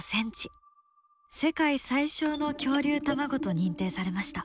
世界最小の恐竜卵と認定されました。